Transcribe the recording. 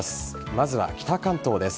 まずは北関東です。